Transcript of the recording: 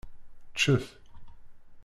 Ččet.